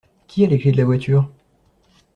Qui a les clés de la voiture?